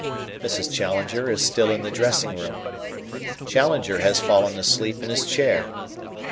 Mrs. Challenger is still in the dressing room. Challenger has fallen asleep in his chair.